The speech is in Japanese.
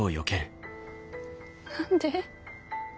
何で。